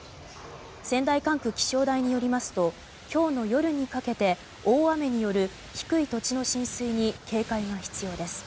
仙台管区気象台によりますと今日の夜にかけて大雨による低い土地の浸水に警戒が必要です。